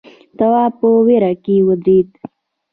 تواب په وېره کې ودرېد.